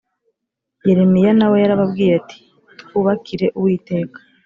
Yeremiya na we yarababwiye ati twubakire uwiteka